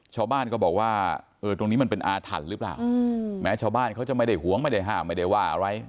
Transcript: ชาวบ้านก็บอกว่าเออตรงนี้มันเป็นอาถรรพ์หรือเปล่าแม้ชาวบ้านเขาจะไม่ได้หวงไม่ได้ห้ามไม่ได้ว่าอะไร